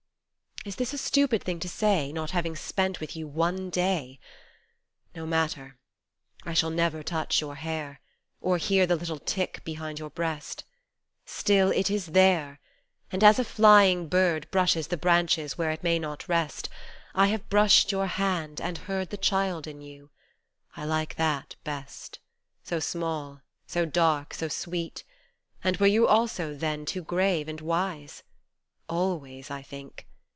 Is this a stupid thing to say Not having spent with you one day ? No matter ; I shall never touch your hair Or hear the little tick behind your breast, Still it is there, And as a flying bird Brushes the branches where it may not rest I have brushed your hand and heard The child in you : I like that best So small, so dark, so sweet ; and were you also then too grave and wise ? Always I think.